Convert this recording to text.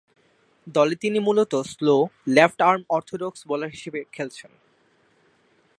দলে তিনি মূলতঃ স্লো লেফট-আর্ম অর্থোডক্স বোলার হিসেবে খেলছেন।